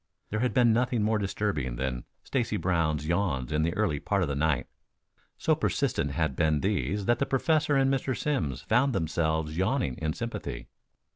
There had been nothing more disturbing than Stacy Brown's yawns in the early part of the night. So persistent had been these that the Professor and Mr. Simms found themselves yawning in sympathy.